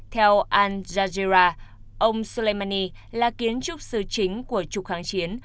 theo al jazeera ông soleimani là kiến trúc sư chính của trục kháng chiến